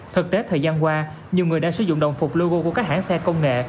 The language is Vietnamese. thực tế thời gian qua nhiều người đã sử dụng đồng phục logo của các hãng xe công nghệ